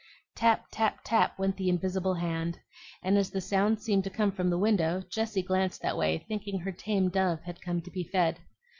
Tap, tap, tap! went the invisible hand; and as the sound seemed to come from the window, Jessie glanced that way, thinking her tame dove had come to be fed.